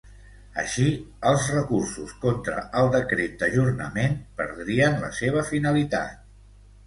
Així, els recursos contra el decret d’ajornament “perdrien la seva finalitat”.